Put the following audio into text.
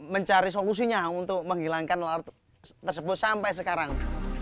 mencari solusinya untuk menghilangkan lalat tersebut sampai sekarang